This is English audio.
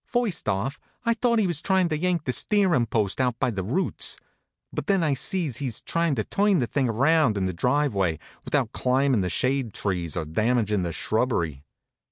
First off I thought he was tryin to yank the steerin post out by the roots; but then I see he s tryin to turn the thing around in the drive CIS] HONK, HONK! way without climbin the shade trees or damagin the shrubbery.